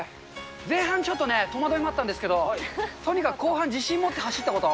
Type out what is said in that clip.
前半ちょっと、戸惑いもあったんですけど、とにかく後半、自信持って走ったこと。